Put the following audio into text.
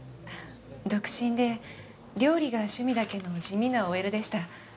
独身で料理が趣味だけの地味なＯＬでした。